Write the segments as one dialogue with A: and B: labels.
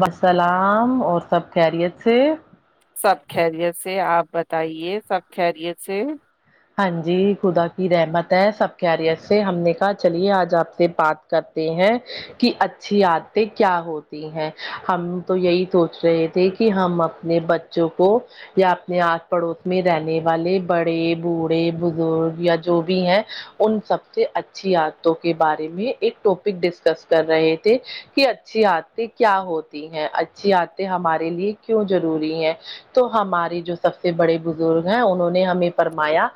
A: وسلام اور سب خیریت سے
B: سب خیریت سے آپ بتائیے سب خیریت سے
A: ہاں جی خدا کی رحمت ہے سب خیریت سے ہم نے کہا چلیے آج آپ سے بات کرتے ہیں کہ اچھی عادتیں کیا ہوتی ہیں ہم تو یہی سوچ رہے تھے کہ ہم اپنے بچ بچوں کو یا اپنے آس پڑوس میں رہنے والے بڑے بوڑھے بزرگ یا جو بھی ہیں ان سب سے اچھی عادتوں کے بارے میں ایک ٹاپک ڈسکس کر رہے تھے کہ اچھی عادتیں کیا ہوتی ہیں اچھی عادتیں ہمارے لیے کیوں ضروری ہیں تو ہمارے جو سب سے بڑے بزرگ ہیں انہوں نے ہمیں فر مایا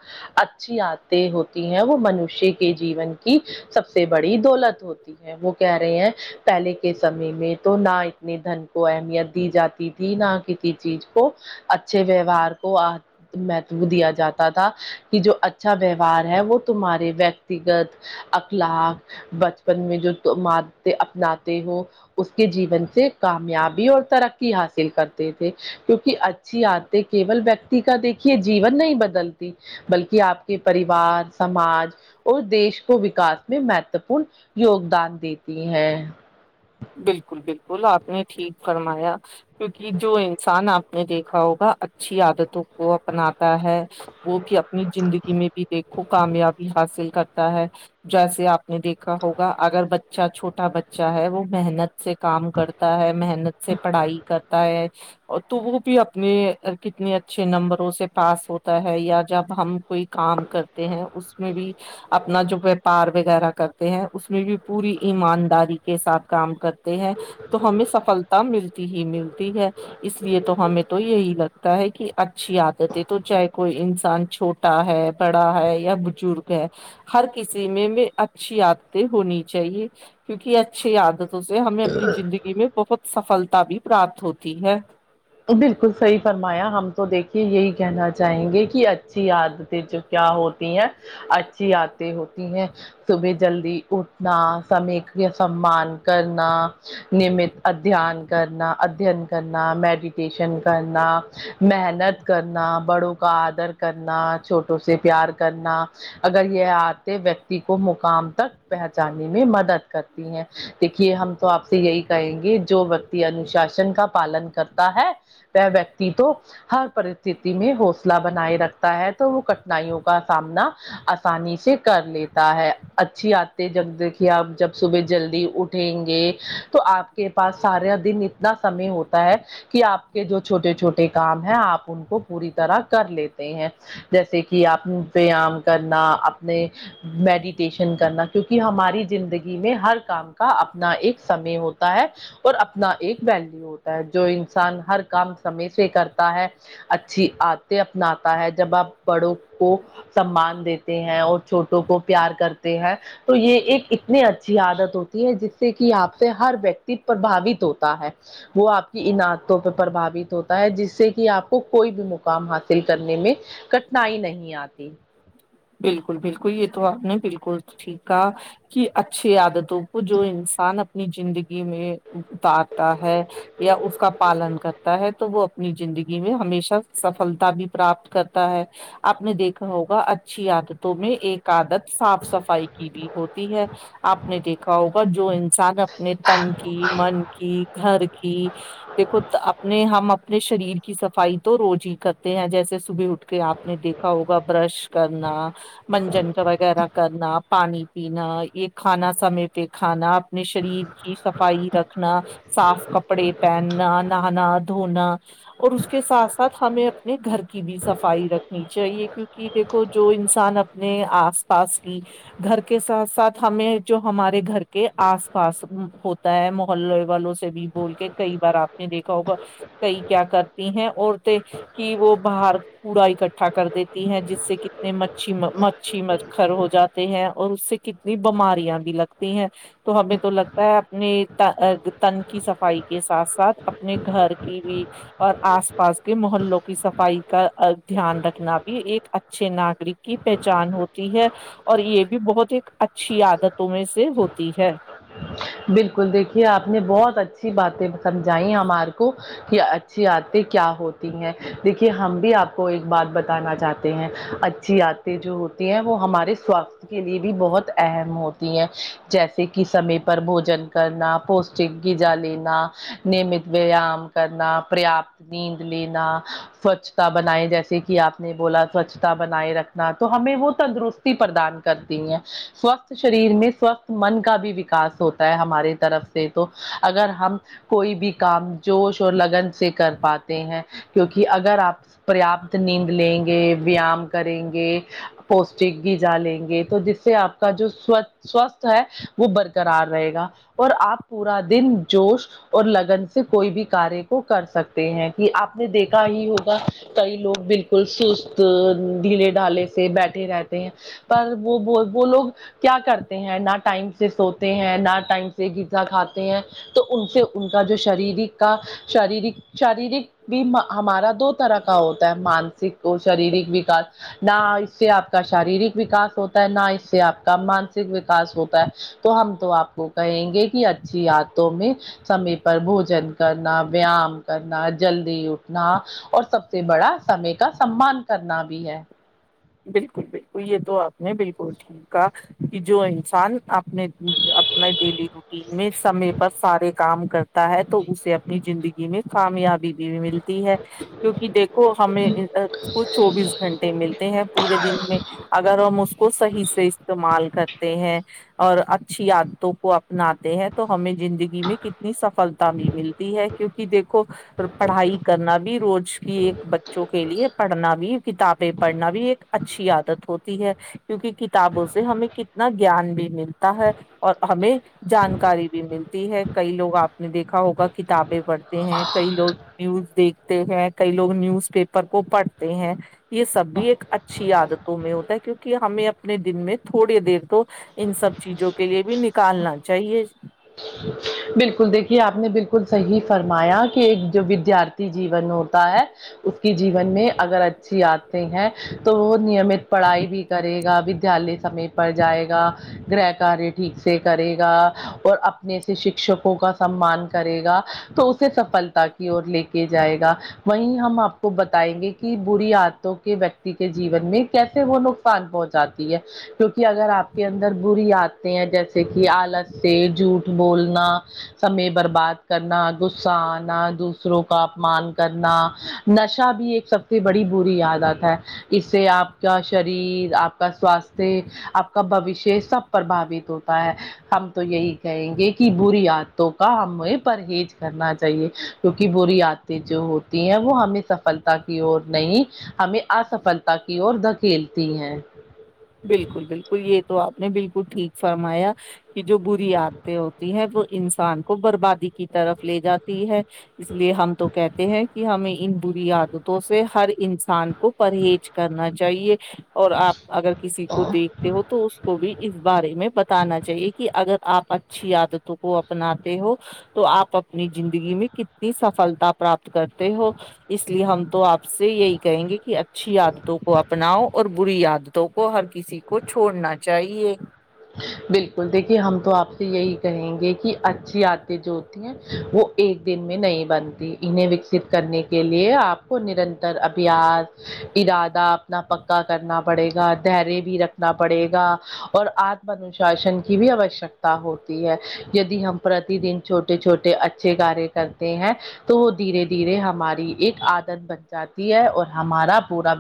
A: اچھی عادتیں ہوتی ہے وہ منوشیا کی جیون کی سب سے بڑی دولت ہوتی ہے وہ کہہ رہے ہیں پہلے کے سمے میں تو نہ اتنے دھن کو اہمیت دی جاتی تھی نہ کسی چیز کو اچھے ویوہار کو ا مہتو دیا جاتا تا تھا کہ جو اچھا ویوہار ہے وہ تمہارے ویکتیگت اخلاق بچپن میں جو م عادتیں اپناتے ہو اس کے جیون سے کامیابی اور ترقی حاصل کرتے تھے کیونکہ اچھی عادتیں کیول ویکتی کا دیکھیے جیون نہیں بدل تی بلکہ آپ کے پریوار سماج اور دیش کو وکاس میں مہتوپورن یوگدان دیتی ہے
B: بالکل بالکل آپ نے ٹھیک فرمایا کیونکہ جو انسان آپ میں دیکھا ہوگا اچھی عادتوں کو اپناتا ہے وہ بھی اپنی زندگی میں بھی دیکھو کامیابی حاصل کر تا ہے جیسے آپ نے دیکھا ہوگا اگر بچہ چھوٹا بچہ ہے وہ محنت سے کام کرتا ہے محنت سے پڑھائی کرتا ہے تو وہ بھی اپنے کتنے اچھے نمبروں سے پاس ہوتا ہے یا جب ہم کوئی کام کرتے ہیں اس میں بھی اپنا جو ویاپار وغیرہ کرتے ہیں اس میں بھی پوری ایمانداری کے ساتھ کام کرتے ہیں تو ہمیں سفلتا ملتی ہی ملتی ہے اس لیے تو ہمیں تو یہی لگتا ہے کہ اچھی عادتیں تو چاہے کوئی انسان چھو ٹا ہے بڑا ہے یا بزرگ ہے ہر کسی میں بھی اچھی عادتیں ہونی چاہیے کیونکہ اچھی عاد توں سے ہمیں اپنی زندگی میں بہت سفلتا بھی پراپت ہوتی ہے
A: بالکل صحیح فرمایا ہم تو دیکھیے یہی کہنا چاہیں گے کہ اچھی عادتیں جو کیا ہوتی ہیں اچھی عادتیں ہوتی ہیں صبح جلدی اٹھنا سمے کے سمان کرنا نمت ادھیان کرنا ادھین کرنا میڈیٹیشن کرنا محنت کرنا بڑوں کا آدر کرنا چھوٹوں سے پیار کرنا اگر یہ آتے ویکتی کو مقام تک پہنچانے میں مدد کرتے ہیں دیکھیے ہم تو آپ سے یہی کہیں گے جو وکتی انوشاسن کا پالن کر تا ہے وہ ویکتی تو ہر پرستتی میں حوصلہ بنائے رکھتا ہے تو وہ کٹھنائیوں کا سامنا آسانی سے کر لیتا ہے اچھی عادتیں جب دیکھیے آپ جب صبح جلدی اٹھ اٹھیں گے تو آپ کے پاس سارا دن اتنا سمے ہوتا ہے کہ آپ کے جو چھوٹے چھوٹے کام ہیں آپ ان کو پوری طرح کر لیتے ہیں جیسے کہ آپ ویام کرنا اپنے میڈیٹیشن کرنا کیونکہ ہماری زندگی میں ہر کام کا اپنا ایک سمے ہوتا ہے اور اپنا ایک ویلو ہوتا ہے جو انسان ہر کام سمے سے کرتا ہے اچھی عادتیں اپناتا ہے جب آپ بڑوں کو سمان دیتے ہیں اور چھوٹوں کو پیار کرتے ہیں تو یہ ایک اتنی اچھی عادت ہوتی ہے جس سے کہ آپ سے ہر ویکتی پربھاوت ہوتا ہے وہ آپ کی ان عدتوں پہ پرباوت ہوتا ہے جس سے کہ آپ کو کوئی بھی مقام حاصل کرنے میں کٹنائی نہیں آتی
B: بالکل بالکل یہ تو آپ نے بالکل ٹھیک کہا کی اچھی عادتوں کو جو انسان اپنی زندگی میں اتارتا ہے یا اس کا پالن کرتا ہے تو وہ اپنی زندگی میں ہمیشہ سفلتا بھی پراپت کرتا ہے آپ نے دیکھا ہوگا اچھی عادتوں میں ایک عادت صاف صفائی کی بھی ہوتی ہے آپ نے دیکھا ہوگا جو انسان اپنے تن کی من کی گھر کی دیکھو ت اپنے ہم اپنے شریر کی صفائی تو روز ہی کرتے ہیں جیسے صبح اٹھ کے آپ نے دیکھا ہوگا برش کرنا منجن کا وغیرہ کرنا پانی پینا یہ کھانا سمے پہ کھانا اپنے شریر کی صفائی رکھنا صاف کپڑے پہننا نہانا دھونا اور اس کے ساتھ ساتھ ہمیں اپنے گھر کی بھی صفائی رکھنی چاہیے کیونکہ دیکھو جو انسان اپنے آس پاس بھی گھر کے ساتھ ساتھ ہمیں جو ہمارے گھر کے آس پاس ہو ہوتا ہے محلے والوں سے بھی بول کے کئی بار آپ نے دیکھا ہوگا کئی کیا کرتی ہیں عورتیں کی وہ باہر کوڑا اکٹھا کر دیتی ہیں جس سے کتنے مچھی مچھی مکھر ہو جاتے ہیں اور اس سے کتنی بیماریاں بھی لگتی ہیں تو ہمیں تو لگتا ہے اپنے ت تن کی صفائی کے ساتھ ساتھ اپنے گھر کی بھی اور آس پاس کے محلوں کی صفائی کا دھیان رکھنا بھی ایک اچھے ناگرک کی پہچان ہوتی ہے اور یہ بھی بہت ہی ایک اچھی عادتوں میں سے ہوتی ہے
A: بالکل دیکھیے آپ نے بہت اچھی باتیں سمجھائی ہمار کو کہ اچھی عاد تیں کیا ہوتی ہیں دیکھیے ہم بھی آپ کو ایک بات بتانا چاہتے ہیں اچھی عا د تیں جو ہوتی ہیں وہ ہمارے سواستھ کے لیے بھی بہت اہم ہوتی ہیں جیسے کہ سمے پر بھوجن کرنا پوشٹک غذا لینا نیمت ویایام کرنا پریاپت نیند لینا سوچھتا بنائے جیسے کہ آپ نے بولا سوچھتا بنائے رکھنا تو ہمیں وہ تندرست پردان کرتی ہیں سوستھ شریر میں سوستھ من کا بھی وکاس ہوتا ہے ہماری طرف سے تو اگر ہم کوئی بھی کام جوش اور لگن سے کر پاتے ہیں کیونکہ اگر آپ پریاپت نیند لیں گے ویام کریں گے پوشٹک گجا لیں گے تو جس سے آپ کا جو سوچھ سو ستھ ہے وہ بر کرار رہے گا اور آپ پورا دن جوش اور لگن سے کوئی بھی کاریہ کو کر سکتے ہیں کہ آپ نے دیکھا ہی ہوگا کئی لوگ بال کوئی سست ڈھیلے ڈھالے سے بیٹھے رہتے ہیں پر وہ وہ لوگ کیا کرتے ہیں نہ ٹائم سے سو ہیں نہ ٹائم سے غذ ا کھاتے ہیں تو ان سے ان کا جو شریرک کا شریرک شاریرک بھی ہمارا دو طرح کا ہوتا ہے مانسک شریرک وکاس نہ اس سے آپ کا شاریرک وکاس ہوتا ہے نہ اس سے آپ کا مانسک وکاس ہوتا ہے تو ہم تو آپ کو کہیں گے کہ اچھی عاد توں میں سمے پر بھوجن کرنا ویام کرنا جلدی اٹھنا اور سب سے بڑا سمے کا سممان کرنا بھی ہے
B: بالکل بالکل یہ تو آپ نے بالکل ٹھیک کہا کہ جو انسان اپ اپنے اپنا ڈیلی روٹین میں سمے پر سارے کام کرتا ہے تو اسے اپنی جندگی میں کامیابی ملتی ہے کیونکہ دیکھو ہمیں کو چوبیس گھنٹے ملتے ہیں پورے دن میں اگر ہم اس کو ص حیح سے استعمال کرتے ہیں اور اچھی عادتوں کو اپناتے ہیں تو ہمیں زندگی میں کتنی سفلتا بھی ملتی ہے کیونکہ دیکھو اور پڑھائی کرنا بھی روج کی ایک بچوں کے لیے پڑھنا بھی کتابیں پڑھنا بھی ایک اچھی عادت ہوتی ہے کیونکہ کتابوں سے ہمیں کتنا گیان بھی مل تا ہے اور ہمیں جانکاری بھی ملتی ہے کئی لوگ آپ نے دیکھا ہوگا کتابیں پڑھتے ہیں کئی لوگ نیوز دیکھتے ہیں کئی لوگ نیوز پیپر کو پڑھتے ہیں یہ سب بھی ایک اچھی عادتوں میں ہوتا ہے کیونکہ ہمیں اپنے دن میں تھوڑے دیر تو ان سب چیجوں کے لیے بھی نکالنا چاہیے
A: بالکل دیکھیے آپ نے بالکل صحیح فرمایا کہ ایک جو ودیارت تی جیون ہوتا ہے اس کی جیون میں اگر اچھی عادتیں ہیں تو وہ نیمت پڑھائی بھی کرے گا ودھیالے سمے پر جائے گا گرہ کاریہ ٹھیک سے کرے گا اور اپنے سے شکشکوں کا سمان کرے گا تو اسے سفلتا کی اور لے کے جائے گا وہیں ہم آپ کو بتائیں گے کہ بری آتوں کے ویکتی کے جیون میں کیسے وہ نق صان پہنچاتی ہے کیونکہ اگر آپ کے اندر بری آتیں ہیں جیسے کہ آلس سے جھوٹ بولنا سمے برباد کرنا غصہ آنا دوسروں کا اپمان کرنا نشہ بھی ایک سب سے بڑی بری یادات ہے اس سے آپ کا شریر آپ کا سواستھ آپ کا بوشیہ سب پرباوت ہوتا ہے ہم تو یہی کہیں گے کہ بری عادتوں کا ہمیں پرہیز کرنا چاہیے کیونکہ بری عا جو ہوتی ہیں وہ ہمیں سفلتا کی اور نہیں ہمیں اسفلتا کی اور دھکیلتی ہیں
B: بالکل بالکل یہ تو آپ نے بالکل ٹھیک فرمایا کہ جو بری عادتیں ہوتی ہیں وہ انسان کو بربادی کی طرف لے جاتی ہے اس لیے ہم تو کہتے ہیں کہ ہمیں ان بری عادتوں سے ہر انسان کو پرہیز کرنا چاہیے اور آپ اگر کسی کو دیکھ ہو تو اس کو بھی اس بارے میں بتانا چاہیے کہ اگر آپ اچھی عادتوں کو اپناتے ہو تو آپ اپنی زندگی میں کتنی سفلتا پراپت کرتے ہو اس لیے ہم تو آپ سے یہی کہیں گے کہ اچھی عادتوں کو اپناؤ اور بری عدت کو ہر کسی کو چھوڑنا چاہیے
A: بالکل دیکھیے ہم تو آپ سے یہی کہیں گے کہ اچھی عادتیں جو ہوتی ہیں وہ ایک دن میں نہیں بنتی انہیں وکست کرنے کے لیے آپ کو نرنتر ابیاس ارادہ اپنا پکا کرنا پڑے گا دھیریہ بھی رکھنا پڑے گا اور آ پروشاشن کی بھی آوشکتا ہوتی ہے یدی ہم پرتی دن چھوٹے چھوٹے اچھے کارے کرتے ہیں تو وہ دھیرے دھیرے ہماری ایک عادت بن جاتی ہے اور ہمارا بورا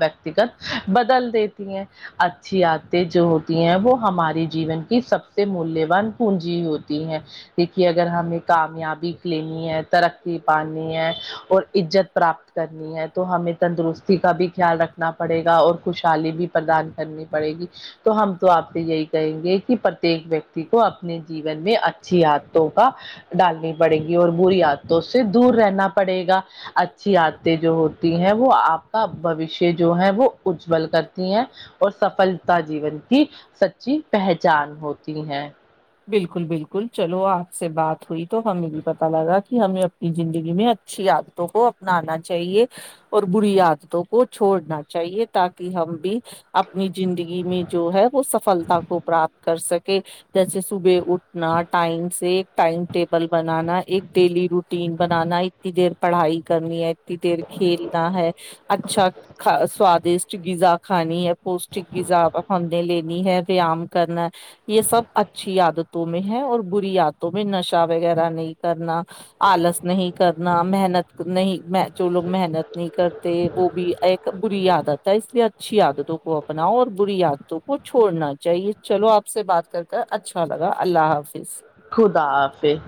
A: بدل دیتی ہیں اچھی آتیں جو ہوتی ہیں وہ ہماری جیون کی سب سے ملیہوان پونجی ہوتی ہے دیکھیے اگر ہمیں کامیابی لینی ہے ترقی پانی ہے اور عزت پراپت کرنی ہے تو ہمیں تندرستی کا بھی خیال رکھنا پڑے گا اور خوشحالی بھی پردان کرنی پڑے گی تو ہم تو آپ نے یہی کہیں گے کہ پرتیک ویکتی کو اپنے جیون میں اچھی عادتوں کا ڈالنی پڑے گی اور بری عادتوں سے دور رہنا پڑے گا اچھی آتیں جو ہوتی ہیں وہ آپ کا بوشیہ جو ہے وہ اجل کرتی ہیں اور سفلتا جیون کی سچی پہچان ہوتی ہے
B: بالکل بالکل چلو آپ سے بات ہوئی تو ہمیں بھی پتا لگا کہ ہمیں اپنی زندگی میں اچھی عا دتوں کو اپنانا چاہیے اور بری عادتوں کو چھوڑنا چاہیے تاکہ ہم بھی اپنی زندگی میں جو ہے وہ سفلتا کو پراپت کر سکے جیسے صبح اٹھنا ٹائم سے ایک ٹائم ٹیبل بنانا ایک ڈیلی روٹین بنانا ایک اتیدر پڑھائی کرنی ہے اتیدیر کھیلنا ہے اچھا کہا سوادشٹ غذا کھانی ہے پوشٹک غذا نے لی ہے ویام کرنا یہ سب اچھ عدتوں میں ہے اور بری عدتوں میں نشا وغیرہ نہیں کرنا آلس نہیں کرنا محنت نہیں جو لوگ محنت نہیں کرتے وہ بھی ایک بری عادت ہے اس لیے اچھی عادتوں کو اپناؤ اور بری عادتوں کو چھوڑنا چاہیے چلو آپ سے بات کر کر اچھا لگا اللہ حافظ
A: خدا حافظ